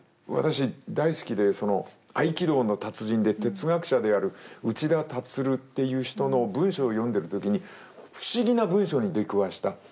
私大好きでその合気道の達人で哲学者である内田樹っていう人の文章を読んでる時に不思議な文章に出くわした。